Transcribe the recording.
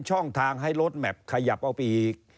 ช่องทางให้รถแมพขยับออกไปอีก